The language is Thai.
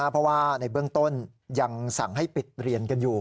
เพราะว่าในเบื้องต้นยังสั่งให้ปิดเรียนกันอยู่